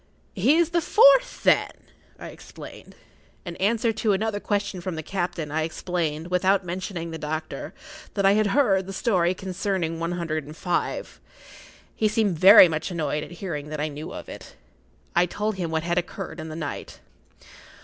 "He is the fourth, then?" I explained. In answer to another question from the captain, I explained, without mentioning the doctor, that I had heard the story concerning one hundred and five. He seemed very much annoyed at hearing that I knew of it. I told him what had occurred in the night.